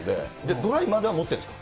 ドライまでは持ってるんですか？